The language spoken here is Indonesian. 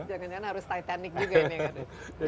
jangan jangan harus titanic juga ini